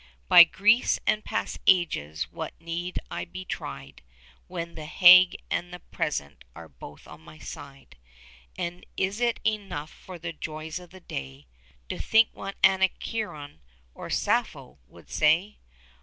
By Greece and past ages what need I be tried When The Hague and the present are both on my side; 20 And is it enough for the joys of the day To think what Anacreon or Sappho would say?